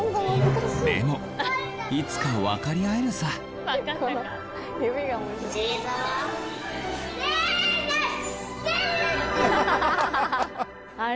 でもいつか分かり合えるさハハハ！